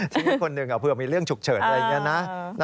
ทีนี้คนหนึ่งเผื่อมีเรื่องฉุกเฉินอะไรอย่างนี้นะ